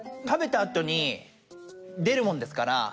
食べたあとにでるもんですから。